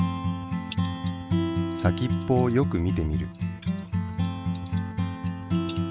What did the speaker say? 先っぽをよく見てみる。